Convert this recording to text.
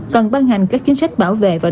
cần ban hành các chính sách bảo vệ và đảm bảo